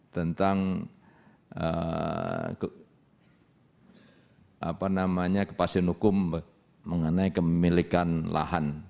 tentang kepastian hukum mengenai kemilikan lahan